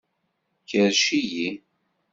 Kerrec-iyi!